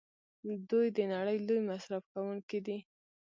دوی د نړۍ لوی مصرف کوونکي دي.